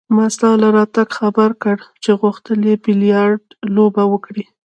ما ستا له راتګه خبر کړ چې غوښتل يې بیلیارډ لوبه وکړي.